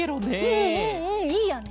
うんうんうんいいよね。